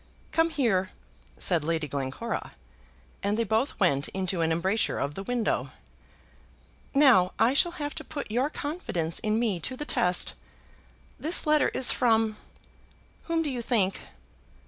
"Come here," said Lady Glencora; and they both went into an embrasure of the window. "Now I shall have to put your confidence in me to the test. This letter is from, whom do you think?"